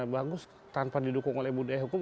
bagus tanpa didukung oleh budaya hukum